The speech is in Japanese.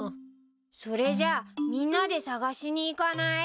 それじゃあみんなで探しに行かない？